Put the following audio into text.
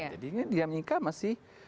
jadi ini diam diam masih